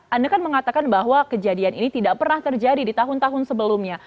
anda kan mengatakan bahwa kejadian ini tidak pernah terjadi di tahun tahun sebelumnya